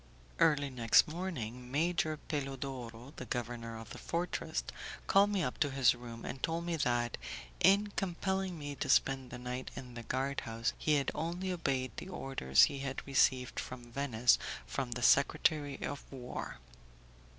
Early next morning Major Pelodoro (the governor of the fortress) called me up to his room, and told me that, in compelling me to spend the night in the guard house, he had only obeyed the orders he had received from Venice from the secretary of war.